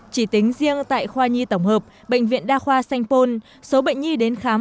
chỉ tính riêng tại khoa nhi tổng hợp bệnh viện đa khoa sanh pôn số bệnh nhi đến khám